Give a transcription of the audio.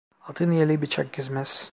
Altın eli bıçak kesmez.